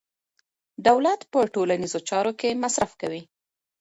دولت په ټولنیزو چارو کي مصرف کوي.